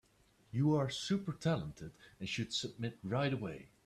You are super talented and should submit right away.